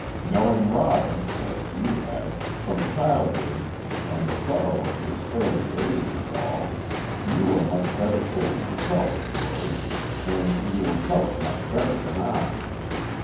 Knowing Robin, as you have, from childhood, and the sorrow of his early days and all, you are much better fitted to tell the story, and you will tell it much better than I.